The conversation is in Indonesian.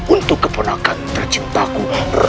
untuk keponakan tercintaku